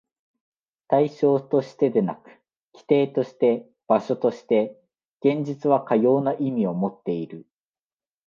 対象としてでなく、基底として、場所として、現実はかような意味をもっている。